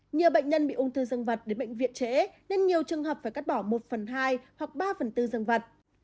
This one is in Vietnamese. nhiều bệnh nhân bị ung thư dân vật đến bệnh viện trễ nên nhiều trường hợp phải cắt bỏ một phần hai hoặc ba phần bốn dân vật